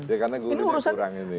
ya karena guru kurang ini